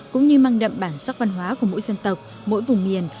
cũng như mang đậm bản sắc văn hóa của mỗi dân tộc mỗi vùng miền